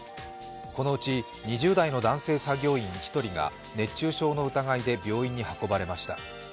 このうち２０代の男性作業員１人が熱中症の疑いで病院に運ばれました。